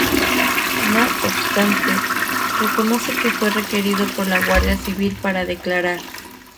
No obstante, reconoce que fue requerido por la Guardia Civil para declarar.